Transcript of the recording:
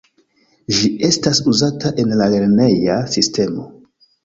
Ĝi estas uzata en la lerneja sistemo.